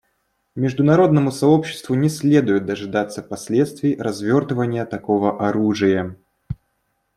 Международному сообществу не следует дожидаться последствий развертывания такого оружия.